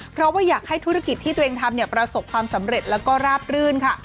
เพราะว่าอยากให้ธุรกิจที่ตัวเองทำประสบความสำเร็จแล้วก็ราบรื่นค่ะ